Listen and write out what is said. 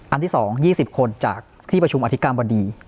ที่๒๒๐คนจากที่ประชุมอธิการบดี